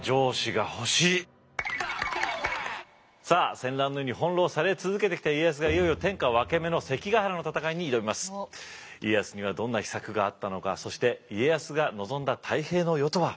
さあ戦乱の世に翻弄され続けてきた家康が家康にはどんな秘策があったのかそして家康が望んだ太平の世とは。